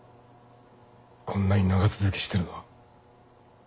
こんなに長続きしてるのは。